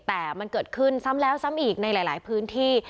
แต่มันเกิดขึ้นซ้ำแล้วซ้ำอีกในหลายพื้นที่